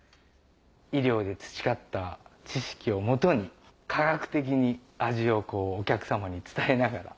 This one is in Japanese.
医療で培った知識を基に科学的に味をお客さまに伝えながら。